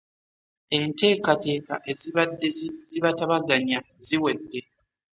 Enteekateeka ezibadde zibatabaganya ziwedde.